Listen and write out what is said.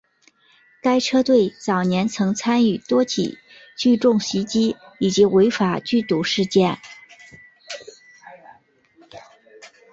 该车队早年曾参与多起聚众袭击以及违法聚赌事件。